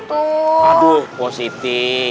aduh po siti